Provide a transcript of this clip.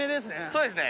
そうですね。